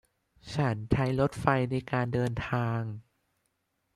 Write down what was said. ฉันใช้รถไฟในการเดินทาง